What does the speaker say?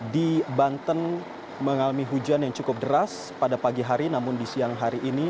di banten mengalami hujan yang cukup deras pada pagi hari namun di siang hari ini